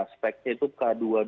speknya itu k dua ratus dua puluh lima